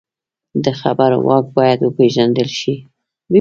د خبرو واک باید وپېژندل شي